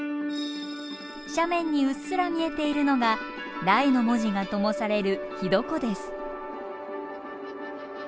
斜面にうっすら見えているのが「大」の文字がともされる火床です。